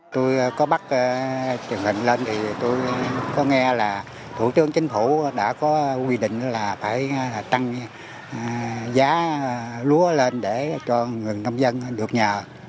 tôi có bắt truyền hình lên thì tôi có nghe là thủ tướng chính phủ đã có quy định là phải tăng giá lúa lên để cho người nông dân được nhờ